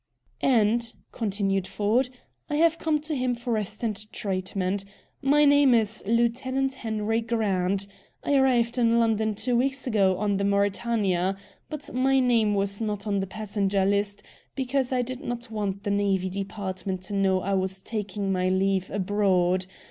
"And," continued Ford, "I have come to him for rest and treatment. My name is Lieutenant Henry Grant. I arrived in London two weeks ago on the MAURETANIA. But my name was not on the passenger list, because I did not want the Navy Department to know I was taking my leave abroad.